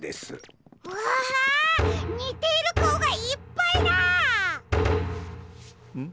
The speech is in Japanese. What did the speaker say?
うわにているかおがいっぱいだ！ん？